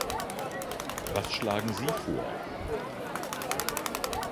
Was schlagen Sie vor?